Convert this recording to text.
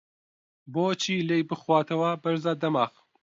بۆ چی لێی بخواتەوە بەرزە دەماخ؟!